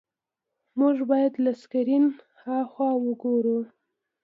موږ باید له سکرین هاخوا وګورو.